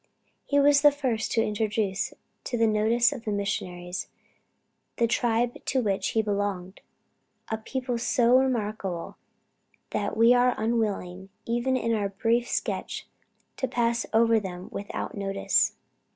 He was the first to introduce to the notice of the missionaries, the tribe to which he belonged, a people so remarkable, that we are unwilling, even in our brief sketch, to pass them over without notice.